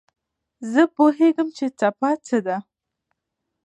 زه پوهېږم چې څپه څه ده.